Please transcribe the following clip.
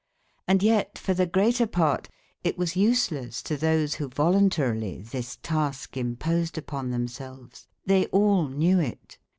And yet, for the greater part, it was useless to those who voluntarily this task imposed upon themselves. They all knew it.